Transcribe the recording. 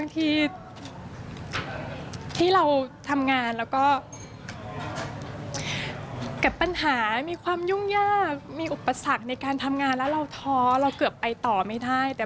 ทุกคนที่เห็นแต่งเวลาก็จะ